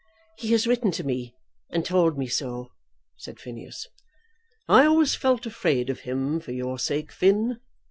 "He has written to me, and told me so," said Phineas. "I always felt afraid of him for your sake, Finn. Mr.